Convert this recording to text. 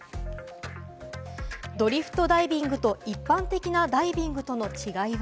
ドリフトダイビングと一般的なダイビングとの違いは？